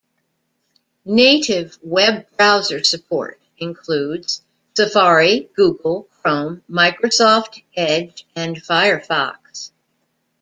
Native web browser support includes: Safari, Google Chrome, Microsoft Edge and Firefox.